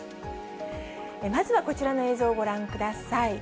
まずはこちらの映像をご覧ください。